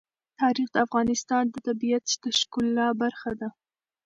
تاریخ د افغانستان د طبیعت د ښکلا برخه ده.